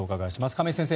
亀井先生